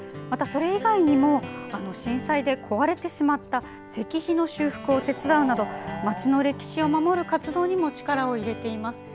また、それ以外にも震災で壊れてしまった石碑の修復を手伝うなど町の歴史を守る活動にも力を入れています。